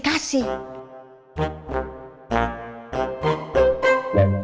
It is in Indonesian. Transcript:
kursi yang banyak